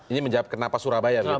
ini menjawab kenapa surabaya